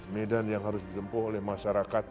medan yang harus ditempuh oleh masyarakat